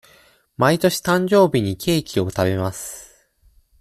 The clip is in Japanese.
毎年誕生日にケーキを食べます。